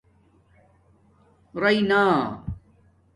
رَی نا